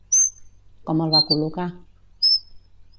Com el va col·locar?